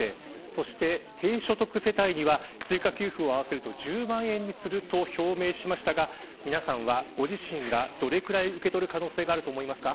そして低所得世帯には追加給付を合わせると１０万円にすると表明しましたが、皆さんはご自身がどれくらい受け取る可能性があると思いますか。